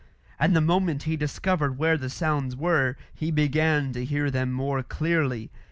And the moment he discovered where the sounds were, he began to hear them more clearly.